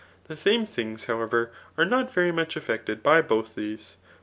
The same things, how ever, are not very much eflfected by both these.